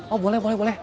oh boleh boleh boleh